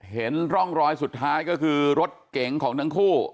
เห็นร่องรอยสุดท้ายก็คือรถเก๋งของทั้งคู่